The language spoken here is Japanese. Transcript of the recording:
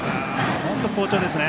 本当に好調ですね。